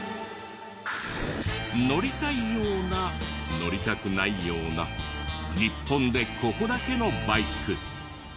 乗りたいような乗りたくないような日本でここだけのバイク。